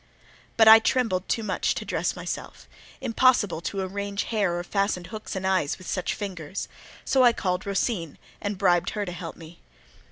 But I trembled too much to dress myself: impossible to arrange hair or fasten hooks and eyes with such fingers, so I called Rosine and bribed her to help me.